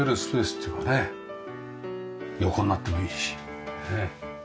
横になってもいいしねえ。